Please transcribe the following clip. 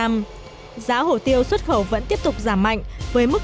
giá hổ tiêu xuất khẩu vẫn tiếp tục giảm mạnh với mức hai mươi bảy